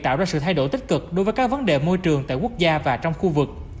tạo ra sự thay đổi tích cực đối với các vấn đề môi trường tại quốc gia và trong khu vực